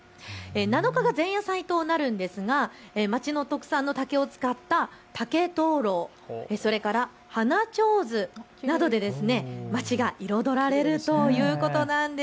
７日が前夜祭となるんですが町の竹を使った竹灯籠、それから花手水などで町が彩られるということなんです。